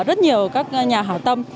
rất nhiều các nhà hào tâm